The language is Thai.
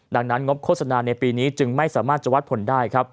ดังนั้นงบโฆษณาในปีนี้จึงไม่สามารถจะวัดผลได้ครับ